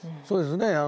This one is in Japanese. そうですね。